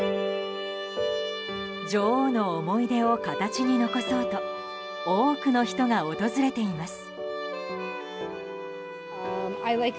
女王の思い出を形に残そうと多くの人が訪れています。